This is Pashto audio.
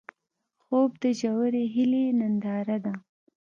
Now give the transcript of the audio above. خوب د ژورې هیلې ننداره ده